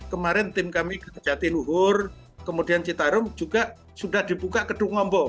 kemarin tim kami kejati luhur kemudian citarum juga sudah dibuka ke dungombo